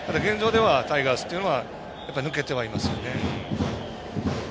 現状ではタイガースというのは抜けてはいますよね。